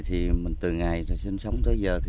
từ ngày sinh sống tới giờ